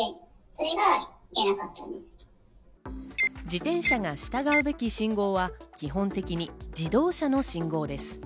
自転車が従うべき信号は基本的に自動車の信号です。